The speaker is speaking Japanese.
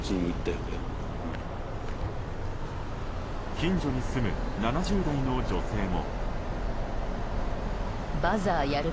近所に住む７０代の女性も。